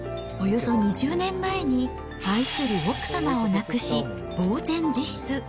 およそ２０年前に愛する奥様を亡くし、ぼう然自失。